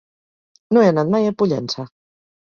No he anat mai a Pollença.